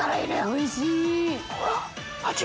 おいしい！